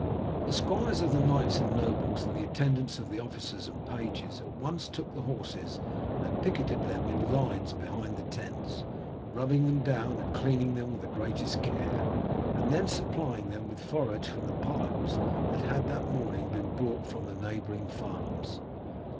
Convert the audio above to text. The squires of the knights and nobles and the attendants of the officers and pages at once took the horses and picketed them in lines behind the tents, rubbing them down and cleaning them with the greatest care, and then supplying them with forage from the piles that had that morning been brought in from the neighbouring farms.